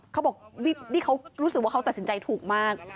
เขาบอกนี่เขารู้สึกว่าเขาตัดสินใจถูกมาก